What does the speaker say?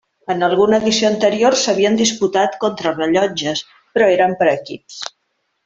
En alguna edició anterior s'havien disputat contrarellotges, però eren per equips.